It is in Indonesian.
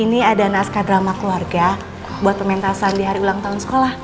ini ada naskah drama keluarga buat pementasan di hari ulang tahun sekolah